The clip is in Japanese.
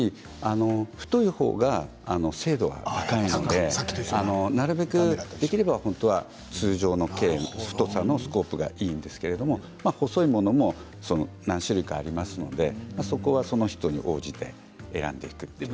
太いほうが精度は高いのでなるべくできれば本当は通常の径の、太さのスコープがいいんですけど細いものも何種類かありますのでその人に応じて選んでいく。